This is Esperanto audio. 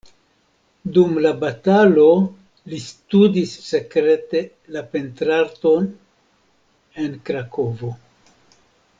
Dum la batalo li studis sekrete la pentrarton en Krakovo.